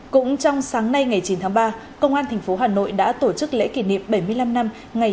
cũng trong sáng nay ngày chín tháng ba công an tp hà nội đã tổ chức lễ kỷ niệm bảy mươi năm năm ngày